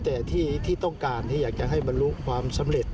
แต่ที่ต้องการที่อยากจะให้บรรลุความสำเร็จ